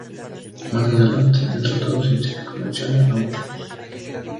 Más adelante, el tratado científico menciona a otros.